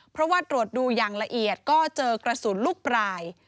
เพราะว่าตรวจดูอย่างละเอียดก็เจอกระสุนลูกปลาย